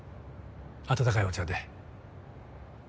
温かいお茶で。